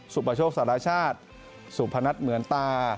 สุประโชคศาสตราชาติสุพนัทเหมือนตา